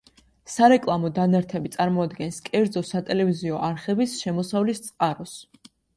სარეკლამო დანართები წარმოადგენს კერძო სატელევიზიო არხების შემოსავლის წყაროს.